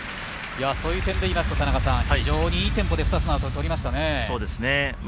そういう点でいいますと非常にいいテンポで２つのアウトをとりましたね。